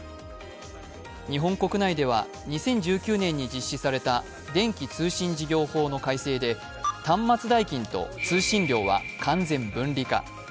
日本国内では２０１９年に実施された電気通信事業法の改正で端末代金と通信料は完全分離化。